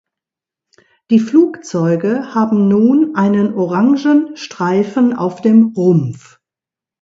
Die Flugzeuge haben nun einen orangen Streifen auf dem Rumpf.